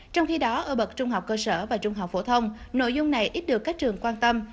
trong khi đó ở bậc trung học cơ sở và trung học phổ thông nội dung này ít được các trường quan tâm